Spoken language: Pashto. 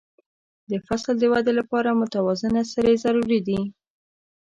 د فصل د وده لپاره متوازنه سرې ضروري دي.